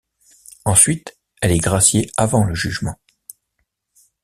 Ensuite, elle est graciée avant le jugement.